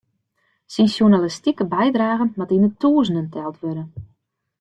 Syn sjoernalistike bydragen moat yn de tûzenen teld wurde.